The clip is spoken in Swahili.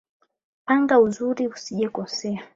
Panga uzuri usijekosea.